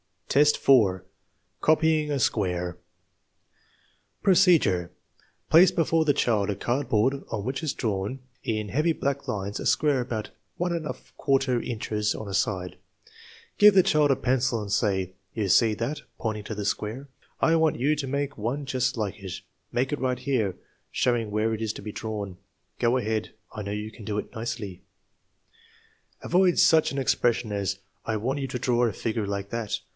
IV, 4. Copying a square Procedure. Place before the child a cardboard on which is drawn in heavy black lines a square about 1J^ inches on a side. 1 Give the child a pencil and say: "You see that (pointing to the square). I want you to make one just like it. Make it right here (showing where it is to be drawn). Go ahead. I know you can do it nicely.' 9 Avoid such an expression as, " I want you to draw a figure like that."